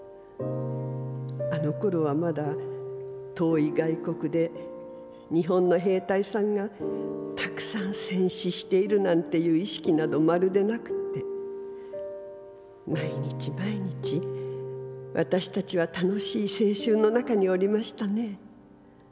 あの頃はまだ遠い外国で日本の兵隊さんがたくさん戦死しているなんていう意識などまるでなくて毎日毎日私たちはたのしい青春の中におりましたね。